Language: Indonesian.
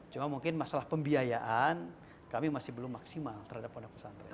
cuma mungkin masalah pembiayaan kami masih belum maksimal terhadap pondok pesantren